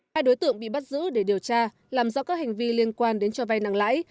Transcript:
hai đối tượng bị bắt giữ để điều tra làm rõ các hành vi liên quan đến cho vay nặng lãi